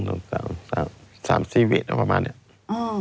๓๔วินาทีประมาณนี้